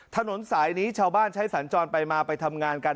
ถนนสายนี้ชาวบ้านใช้สัญจรไปมาไปทำงานกัน